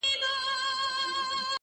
د وخت څپه تېرېږي ورو,